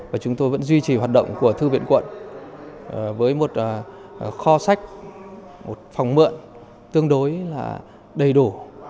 và chúng tôi vẫn duy trì hoạt động của thư viện quận với một kho sách một phòng mượn tương đối là đầy đủ